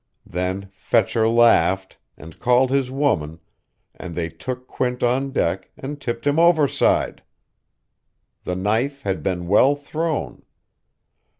Then Fetcher laughed, and called his woman, and they took Quint on deck and tipped him overside. The knife had been well thrown.